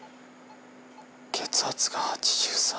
血圧が８３